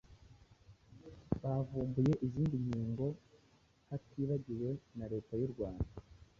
bavumbuye izi nkingo hatibagiwe na Leta y’u Rwanda